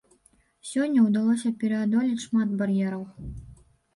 Сёння ўдалося пераадолець шмат бар'ераў.